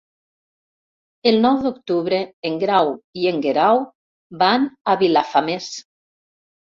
El nou d'octubre en Grau i en Guerau van a Vilafamés.